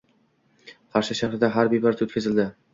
Qarshi shahrida harbiy parad o‘tkazildi